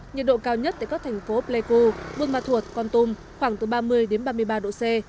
nhiệt độ cao nhất tại các thành phố pleiku buôn ma thuột con tum khoảng từ ba mươi đến ba mươi ba độ c